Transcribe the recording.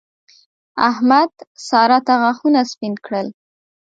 احمد؛ سارا ته غاښونه سپين کړل.